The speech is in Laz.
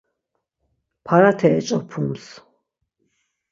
Parate eç̌opums